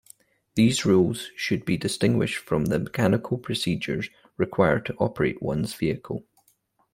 These rules should be distinguished from the mechanical procedures required to operate one's vehicle.